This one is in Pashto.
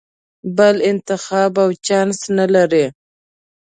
بل انتخاب او چانس نه لرې.